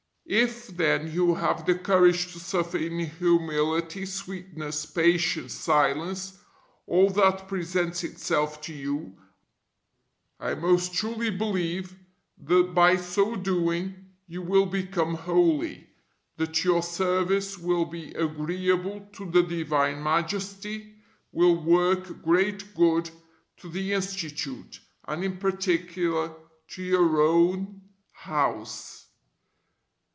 If, then, you have the courage to suffer in humility, sweetness, patience, silence, all that presents itself to you, I most truly believe that by so doing you will become holy, that your service will be agreeable to the divine Majesty, will work great good to the Institute, and in particular to your own house.